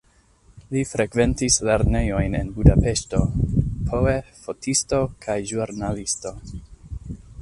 Li frekventis lernejojn en Budapeŝto poe fotisto kaj ĵurnalisto.